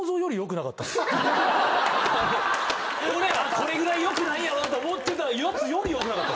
これぐらいよくないって思ってたやつよりよくなかった。